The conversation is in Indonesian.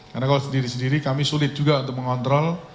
karena kalau sendiri sendiri kami sulit juga untuk mengontrol